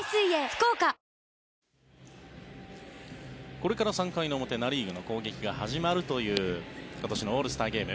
これから３回の表ナ・リーグの攻撃が始まるという今年のオールスターゲーム。